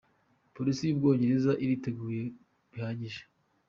Polisi yo mu Bwongereza iriteguye bihagije.